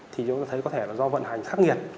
thì chúng ta thấy có thể là do vận hành khắc nghiệt